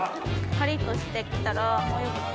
カリっとして来たらもうよくて。